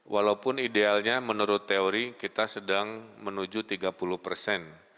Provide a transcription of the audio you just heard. walaupun idealnya menurut teori kita sedang menuju tiga puluh persen